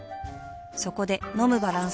そこで飲むバランス栄養食